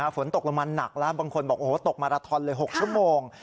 ฝนตกลงมาหนักแล้วบางคนบอกโอ้โหตกมาราทอนเลย๖ชั่วโมง